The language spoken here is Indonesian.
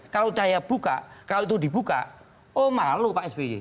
kalau daya buka kalau itu dibuka oh malu pak sby